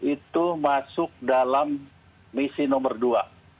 itu masuk dalam misi nomor dua